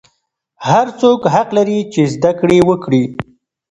هر څوک حق لري چې زده کړې وکړي.